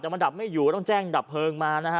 แต่มันดับไม่อยู่ก็ต้องแจ้งดับเพลิงมานะฮะ